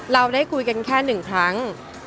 เราได้คุยกันแค่๑ครั้ง